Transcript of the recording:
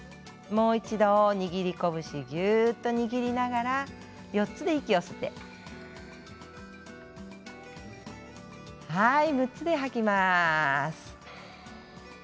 もう一度、握り拳をぎゅっと握りながら４つで息を吸って６つで吐きます。